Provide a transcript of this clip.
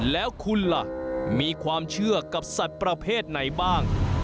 แล้วคุณล่ะมีความเชื่อกับสัตว์ประเภทไหนบ้าง